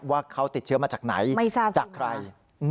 ว่าเขาติดเชื้อมาจากไหนจากใคร